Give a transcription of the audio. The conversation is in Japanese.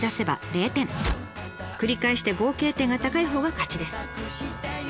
繰り返して合計点が高いほうが勝ちです。